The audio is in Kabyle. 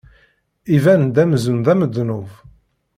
Iban-d amzun d amednub.